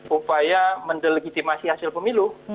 upaya mendelegitimasi hasil pemilu